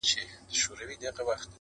هري خواته چي مو مخ به سو خپل کور وو-